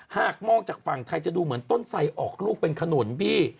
หากมองจากฝั่งไทยจะดูเหมือนต้นไสออกลูกเป็นขนุนพี่